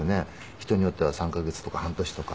人によっては３カ月とか半年とか。